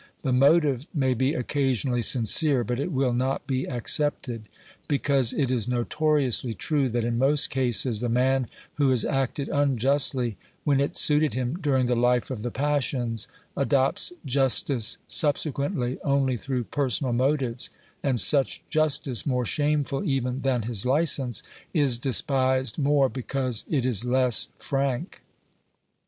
The motive may be occasionally sincere, but it will not be accepted, because it is notoriously true that in most cases the man who has acted unjustly when it suited him during the life of the passions, adopts justice subsequently only through personal motives, and such justice, more shameful even than his licence, is despised more because it is less frank.